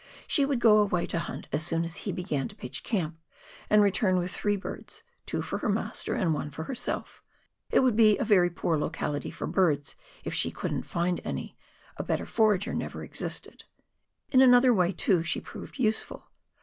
She would go away to hunt as soon as he began to pitch camp, and return with three birds, two for her master and one for herself ; it would be a very poor locality for birds if she couldn't find any, a better forager never existed. In another way, too, she proved useful.